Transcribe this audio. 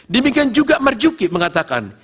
demikian juga marjuki mengatakan